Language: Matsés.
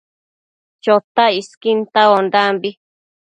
Chotac isquin tauaondambi